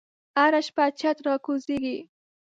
هره شپه چت راکوزیږې